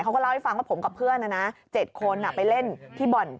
เขาก็เล่าให้ฟังว่าผมกับเพื่อน๗คนไปเล่นที่บ่อน